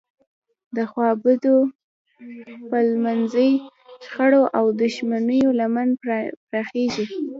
د خوابدیو، خپلمنځي شخړو او دښمنیو لمن پراخیږي.